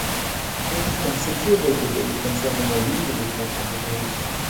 There is considerable debate concerning the legal effect of the protocol.